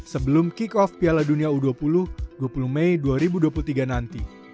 sebelum kick off piala dunia u dua puluh dua puluh mei dua ribu dua puluh tiga nanti